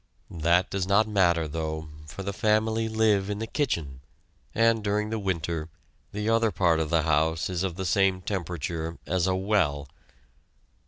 That does not matter, though, for the family live in the kitchen, and, during the winter, the other part of the house is of the same temperature as a well.